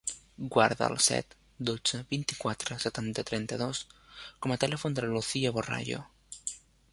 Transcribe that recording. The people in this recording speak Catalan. Guarda el set, dotze, vint-i-quatre, setanta, trenta-dos com a telèfon de la Lucía Borrallo.